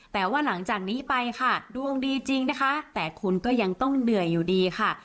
แต่ว่าหลังจากนี้ไปค่ะดวงดีจริงนะคะแต่คุณก็ยังต้องเหนื่อยอยู่ดีค่ะ